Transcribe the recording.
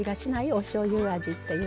おしょうゆ味っていうのが。